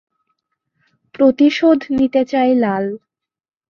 প্রতিশোধ নিতে চায় লাল।